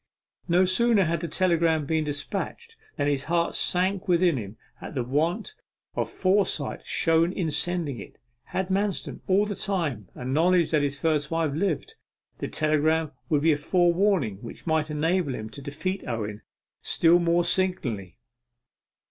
No sooner had the telegram been despatched than his heart sank within him at the want of foresight shown in sending it. Had Manston, all the time, a knowledge that his first wife lived, the telegram would be a forewarning which might enable him to defeat Owen still more signally.